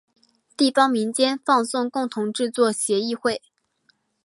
地方民间放送共同制作协议会。